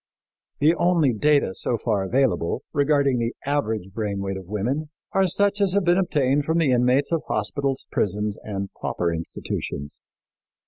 The only data so far available, regarding the average brain weight of women, are such as have been obtained from the inmates of hospitals, prisons and pauper institutions.